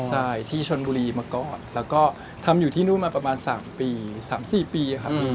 ใช่ที่ชนบุรีมาก่อนแล้วก็ทำอยู่ที่นู่นมาประมาณ๓ปี๓๔ปีครับ